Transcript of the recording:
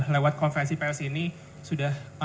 lewat konferensi pers ini sudah